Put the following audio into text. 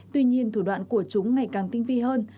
tuy nhiên thủ đoạn của chúng ngày càng tinh vi hơn